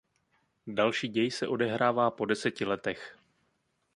Další děj se odehrává po deseti letech.